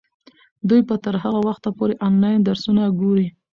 دوی به تر هغه وخته پورې انلاین درسونه ګوري.